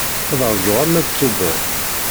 Ad rǧuɣ arma d Tuber.